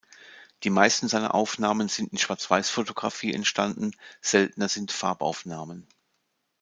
Die meisten seiner Aufnahmen sind in Schwarzweißfotografie entstanden, seltener sind Farbaufnahmen.